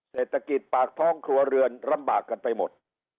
เศรษฐกิจปากท้องครัวเรือนลำบากกันไปหมด